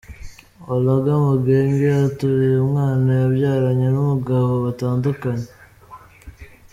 Olga Mugege ateruye umwana yabyaranye n’umugabo batandukanye